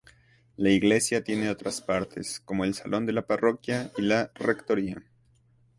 La Iglesia tiene otras partes, como el salón de la parroquia y la rectoría.